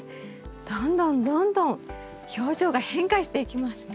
どんどんどんどん表情が変化していきますね。